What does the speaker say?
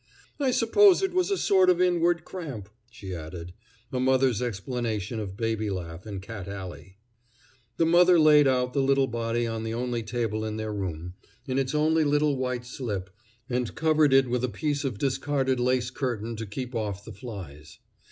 "I suppose it was a sort of inward cramp," she added a mother's explanation of baby laugh in Cat Alley. The mother laid out the little body on the only table in their room, in its only little white slip, and covered it with a piece of discarded lace curtain to keep off the flies.